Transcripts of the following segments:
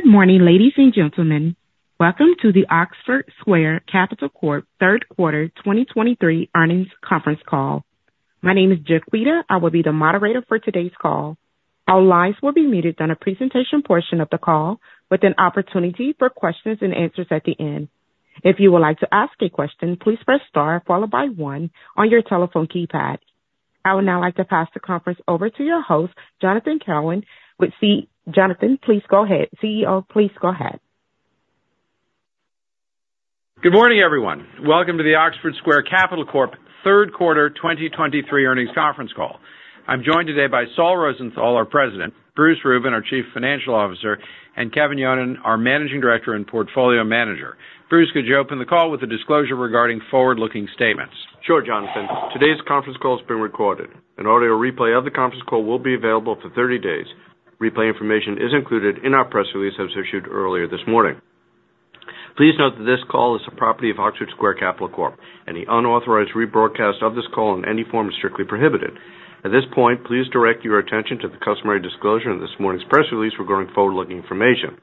Good morning, ladies and gentlemen. Welcome to the Oxford Square Capital Corp Third Quarter 2023 Earnings Conference Call. My name is Jaquita. I will be the moderator for today's call. All lines will be muted on a presentation portion of the call, with an opportunity for questions and answers at the end. If you would like to ask a question, please press star followed by one on your telephone keypad. I would now like to pass the conference over to your host, Jonathan Cohen. Jonathan, please go ahead. CEO, please go ahead. Good morning, everyone. Welcome to the Oxford Square Capital Corp Third Quarter 2023 earnings conference call. I'm joined today by Saul Rosenthal, our President, Bruce Rubin, our Chief Financial Officer, and Kevin Yonon, our Managing Director and Portfolio Manager. Bruce, could you open the call with a disclosure regarding forward-looking statements? Sure, Jonathan. Today's conference call has been recorded. An audio replay of the conference call will be available for 30 days. Replay information is included in our press release, as issued earlier this morning. Please note that this call is the property of Oxford Square Capital Corp. Any unauthorized rebroadcast of this call in any form is strictly prohibited. At this point, please direct your attention to the customary disclosure in this morning's press release regarding forward-looking information.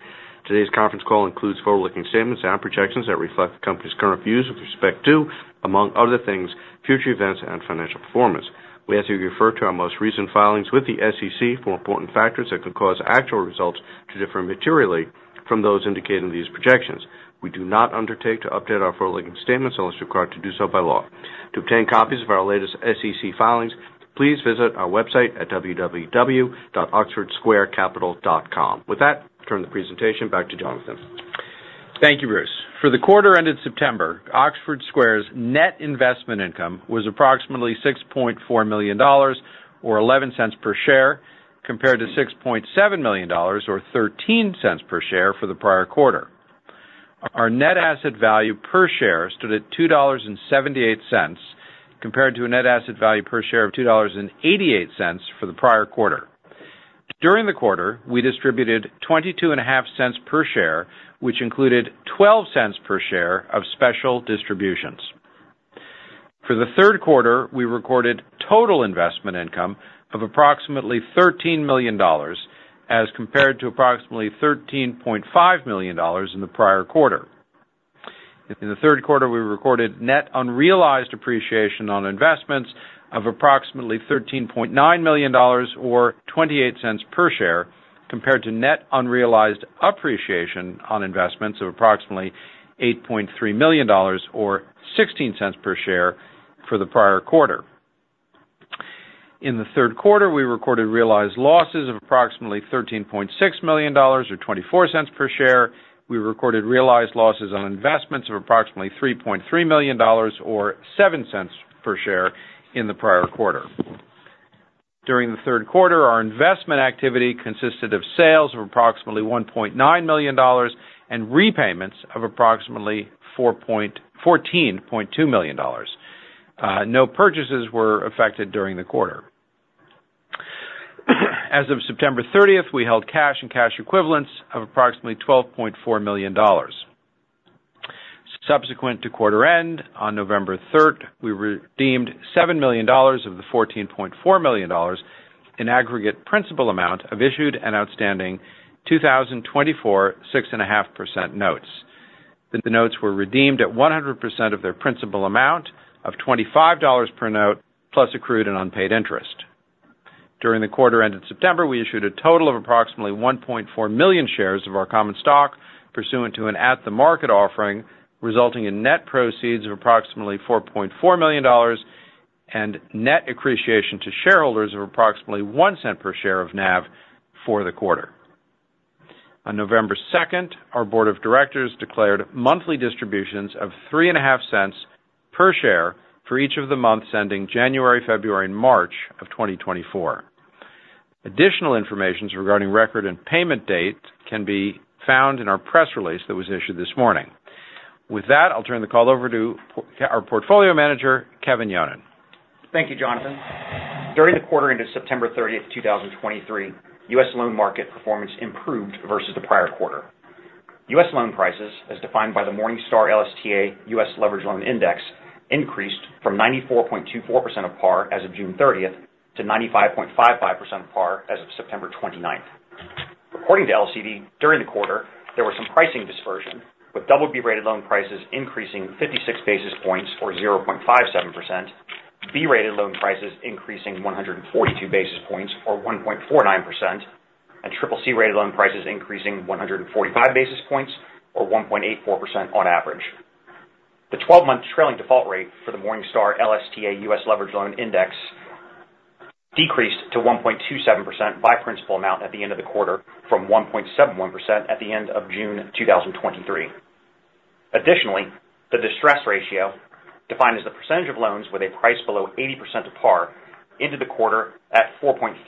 Today's conference call includes forward-looking statements and projections that reflect the company's current views with respect to, among other things, future events and financial performance. We ask you to refer to our most recent filings with the SEC for important factors that could cause actual results to differ materially from those indicated in these projections. We do not undertake to update our forward-looking statements unless we're required to do so by law. To obtain copies of our latest SEC filings, please visit our website at www.oxfordsquarecapital.com. With that, I'll turn the presentation back to Jonathan. Thank you, Bruce. For the quarter ended September, Oxford Square's net investment income was approximately $6.4 million, or $0.11 per share, compared to $6.7 million, or $0.13 per share, for the prior quarter. Our net asset value per share stood at $2.78, compared to a net asset value per share of $2.88 for the prior quarter. During the quarter, we distributed $0.225 per share, which included $0.12 per share of special distributions. For the third quarter, we recorded total investment income of approximately $13 million, as compared to approximately $13.5 million in the prior quarter. In the third quarter, we recorded net unrealized appreciation on investments of approximately $13.9 million, or $0.28 per share, compared to net unrealized appreciation on investments of approximately $8.3 million, or $0.16 per share for the prior quarter. In the third quarter, we recorded realized losses of approximately $13.6 million, or $0.24 per share. We recorded realized losses on investments of approximately $3.3 million, or $0.07 per share in the prior quarter. During the third quarter, our investment activity consisted of sales of approximately $1.9 million and repayments of approximately $14.2 million. No purchases were effected during the quarter. As of September 30th, we held cash and cash equivalents of approximately $12.4 million. Subsequent to quarter end, on November 3rd, we redeemed $7 million of the $14.4 million in aggregate principal amount of issued and outstanding 2024, 6.5% notes. The notes were redeemed at 100% of their principal amount of $25 per note, plus accrued and unpaid interest. During the quarter ended September, we issued a total of approximately 1.4 million shares of our common stock, pursuant to an at-the-market offering, resulting in net proceeds of approximately $4.4 million and net accretion to shareholders of approximately $0.01 per share of NAV for the quarter. On November second, our board of directors declared monthly distributions of $0.035 per share for each of the months ending January, February, and March of 2024. Additional information regarding record and payment date can be found in our press release that was issued this morning. With that, I'll turn the call over to our portfolio manager, Kevin Yonon. Thank you, Jonathan. During the quarter ended September 30th, 2023, U.S. loan market performance improved versus the prior quarter. U.S. loan prices, as defined by the Morningstar LSTA US Leveraged Loan Index, increased from 94.24% of par as of June 30 to 95.55% of par as of September 29th. According to LCD, during the quarter, there was some pricing dispersion, with double-B-rated loan prices increasing 56 basis points or 0.57%, B-rated loan prices increasing 142 basis points or 1.49%, and triple-C-rated loan prices increasing 145 basis points or 1.84% on average. The 12-month trailing default rate for the Morningstar LSTA U.S. Leveraged Loan Index decreased to 1.27% by principal amount at the end of the quarter from 1.71% at the end of June 2023. Additionally, the distress ratio, defined as the percentage of loans with a price below 80% of par, ended the quarter at 4.36%,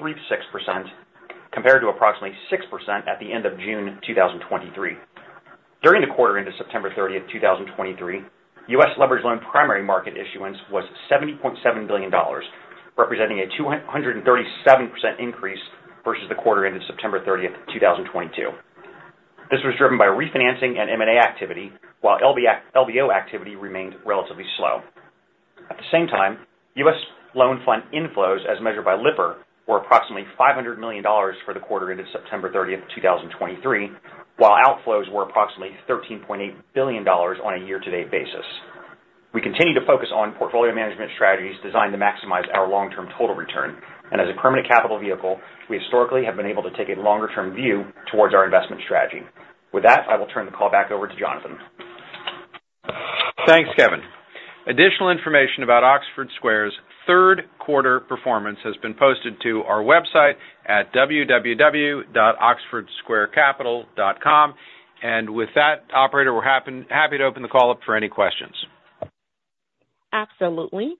compared to approximately 6% at the end of June 2023. During the quarter into September 30th, 2023, U.S. leveraged loan primary market issuance was $70.7 billion, representing a 237% increase versus the quarter into September 30th, 2022. This was driven by refinancing and M&A activity, while LBO activity remained relatively slow. At the same time, U.S. loan fund inflows, as measured by Lipper, were approximately $500 million for the quarter ended September 30th, 2023, while outflows were approximately $13.8 billion on a year-to-date basis. We continue to focus on portfolio management strategies designed to maximize our long-term total return. As a permanent capital vehicle, we historically have been able to take a longer term view towards our investment strategy. With that, I will turn the call back over to Jonathan. Thanks, Kevin. Additional information about Oxford Square's third quarter performance has been posted to our website at www.oxfordsquarecapital.com. And with that, operator, we're happy to open the call up for any questions. Absolutely.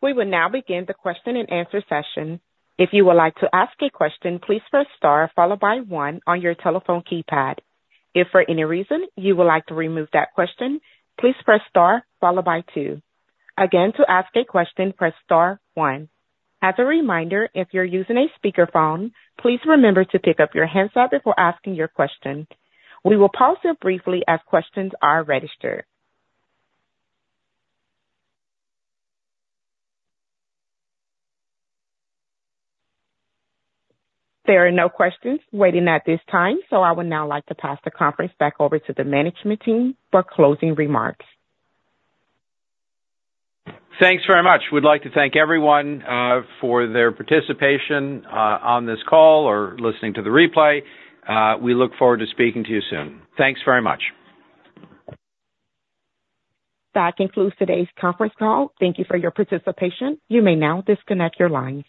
We will now begin the question-and-answer session. If you would like to ask a question, please press star followed by one on your telephone keypad. If for any reason you would like to remove that question, please press star followed by two. Again, to ask a question, press star one. As a reminder, if you're using a speakerphone, please remember to pick up your handset before asking your question. We will pause here briefly as questions are registered. There are no questions waiting at this time, so I would now like to pass the conference back over to the management team for closing remarks. Thanks very much. We'd like to thank everyone for their participation on this call or listening to the replay. We look forward to speaking to you soon. Thanks very much. That concludes today's conference call. Thank you for your participation. You may now disconnect your lines.